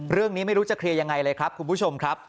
ไม่รู้จะเคลียร์ยังไงเลยครับคุณผู้ชมครับ